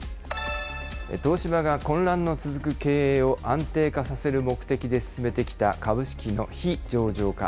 東芝が混乱の続く経営を安定化させる目的で進めてきた株式の非上場化。